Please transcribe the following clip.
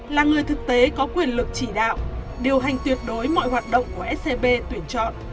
là người thực tế có quyền lực chỉ đạo điều hành tuyệt đối mọi hoạt động của scb tuyển chọn